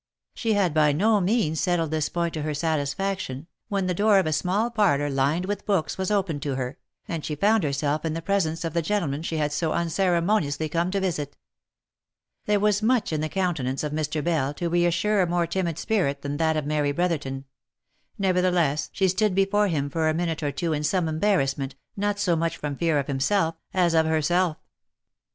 She had by no means settled this point to her satisfaction, when the door of a small parlouv, lined with books, was opened to her, and she found herself in the presence of the gentleman she had so unceremo niously come to visit. OF MICHAEL ARMSTRONG. 199 There was much in the countenance of Mr. Bell to reassure a more timid spirit than that of Mary Brotherton ; nevertheless she stood be fore him for a minute or two in some embarrassment, not so much from fear of him, as of herself.